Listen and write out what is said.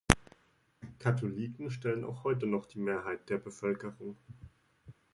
Katholiken stellen auch heute noch die Mehrheit der Bevölkerung.